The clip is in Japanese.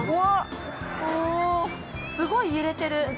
◆すごい揺れてる。